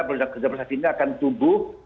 kelenjar prostat ini akan tumbuh